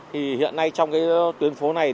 thì hiện nay trong cái tuyến phố này